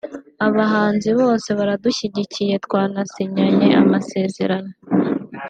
“Abahanzi bose baradushyigikiye twanasinyanye amasezerano